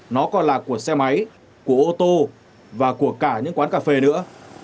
nó còn là của xe máy của ô tô và của cả những quán cà phê nữa